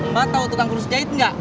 mbak tahu tutang kurus jahit nggak